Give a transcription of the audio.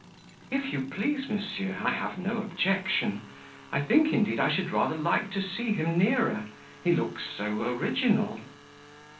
"If you please, monsieur I have no objection; I think, indeed, I should rather like to see him nearer; he looks so original."